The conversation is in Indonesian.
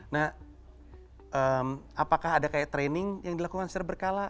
nah apakah ada kayak training yang dilakukan secara berkala